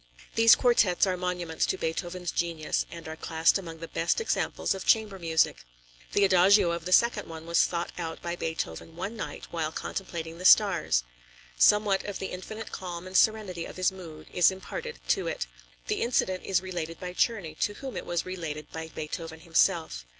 These quartets are monuments to Beethoven's genius and are classed among the best examples of chamber music. The Adagio of the second one was thought out by Beethoven one night while contemplating the stars. Somewhat of the infinite calm and serenity of his mood is imparted to it. The incident is related by Czerny to whom it was related by Beethoven himself.